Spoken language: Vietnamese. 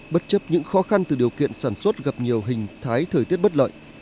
bất chấp những khó khăn từ điều kiện sản xuất gặp nhiều hình thái thời tiết bất lợi